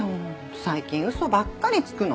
最近嘘ばっかりつくの。